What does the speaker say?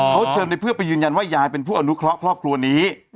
เขาเชิญในเพื่อไปยืนยันว่ายายเป็นผู้อนุเคราะห์ครอบครัวนี้